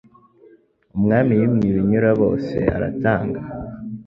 Umwami wimye ibinyurabose aratanga